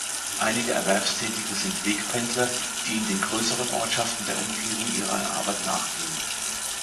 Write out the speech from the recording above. Einige Erwerbstätige sind Wegpendler, die in den größeren Ortschaften der Umgebung ihrer Arbeit nachgehen.